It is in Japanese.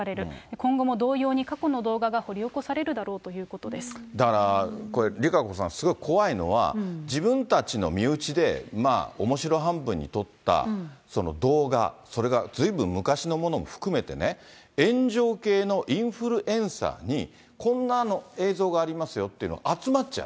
今後も同様に過去の動画が掘り起だからこれ、ＲＩＫＡＣＯさん、すごい怖いのは、自分たちの身内でおもしろ半分に撮った動画、それがずいぶん昔のものも含めてね、炎上系のインフルエンサーに、こんな映像がありますよっていうの集まっちゃう。